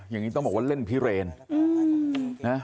อย่างนี้ต้องบอกว่าเล่นพิเรนนะ